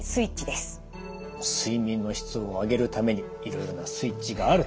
睡眠の質を上げるためにいろいろなスイッチがあると。